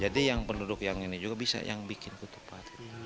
jadi yang penduduk yang ini juga bisa yang bikin ketupat